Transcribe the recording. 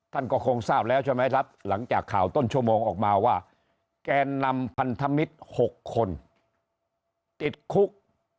ท่านก็คงทราบแล้วใช่ไหมครับหลังจากข่าวต้นชั่วโมงออกมาว่าแกนนำพันธมิตร๖คนติดคุก